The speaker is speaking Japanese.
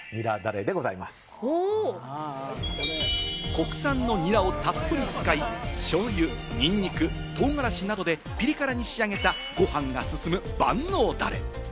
国産のニラをたっぷり使い、しょうゆ、ニンニク、唐辛子などでピリ辛に仕上げたご飯が進む万能ダレ。